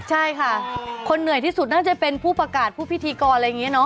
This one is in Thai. ใช่ค่ะคนเหนื่อยที่สุดน่าจะเป็นผู้ประกาศผู้พิธีกรอะไรอย่างนี้เนาะ